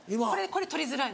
これ取りづらいの。